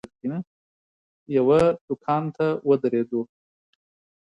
یوه دوکان ته ودرېدو.